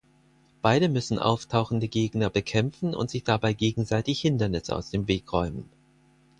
Beide müssen auftauchende Gegner bekämpfen und sich dabei gegenseitig Hindernisse aus dem Weg räumen.